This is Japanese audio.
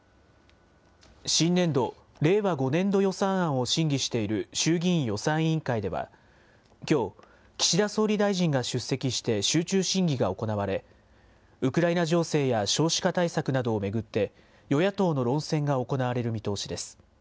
新年度・令和５年度予算案を審議している衆議院予算委員会では、きょう、岸田総理大臣が出席して集中審議が行われ、ウクライナ情勢や少子化対策などを巡って、与野党の論戦が行われる見通しです。